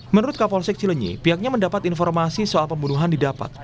menurut kapolsek cilenyi pihaknya mendapat informasi soal pembunuhan didapat